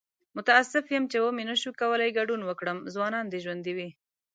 متاسف یم چې و مې نشو کولی ګډون وکړم. ځوانان دې ژوندي وي!